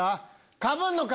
かぶんのか？